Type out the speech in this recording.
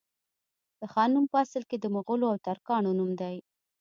د خان نوم په اصل کي د مغولو او ترکانو نوم دی